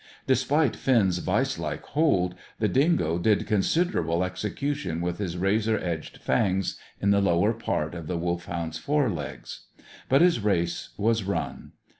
Despite Finn's vice like hold, the dingo did considerable execution with his razor edged fangs in the lower part of the Wolfhound's fore legs. But his race was run.